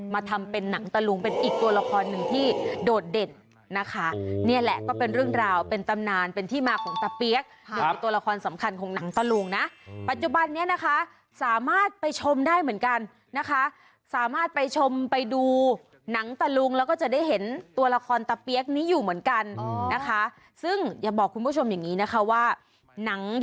มาทำเป็นนังตะลุงเป็นอีกตัวละครหนึ่งที่โดดเด่น